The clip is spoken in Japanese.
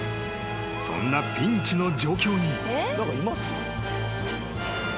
［そんなピンチの状況に］